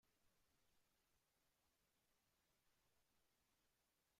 Coro alto a los pies.